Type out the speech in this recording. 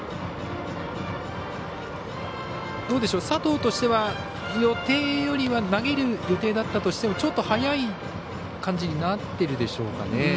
佐藤としては投げる予定だったとしてもちょっと早い感じになってるでしょうかね。